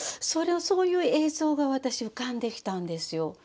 それをそういう映像が私浮かんできたんですよ。